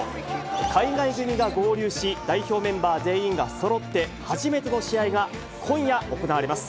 海外組が合流し、代表メンバー全員がそろって、初めての試合が、今夜、行われます。